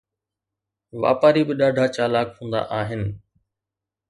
واپاري به ڏاڍا چالاڪ هوندا آهن.